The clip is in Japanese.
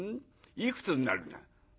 いくつになるんだ？